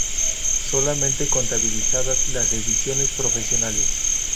Solamente contabilizadas las ediciones profesionales.